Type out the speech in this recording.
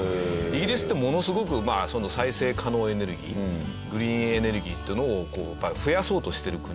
イギリスってものすごくその再生可能エネルギーグリーンエネルギーっていうのを増やそうとしてる国で。